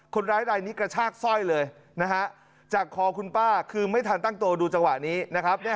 คนร้ายรายนี้กระชากสร้อยเลยนะฮะจากคอคุณป้าคือไม่ทันตั้งตัวดูจังหวะนี้นะครับ